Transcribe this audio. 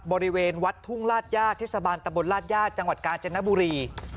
บริเวณวัดทุ่งลาดญาติเทศบาลตะบนราชญาติจังหวัดกาญจนบุรี